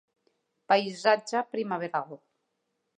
Paisatge primaveral.